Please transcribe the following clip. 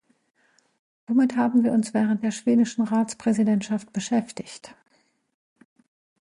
Womit haben wir uns während der schwedischen Ratspräsidentschaft beschäftigt?